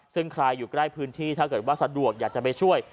ซึ่งใครอยู่ใกล้พื้นที่ถ้าเกิดว่าสะดวกอยากจะไปช่วย